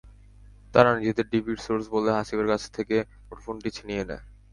তারা নিজেদের ডিবির সোর্স বলে হাসিবের কাছ থেকে মুঠোফোনটি ছিনিয়ে নেয়।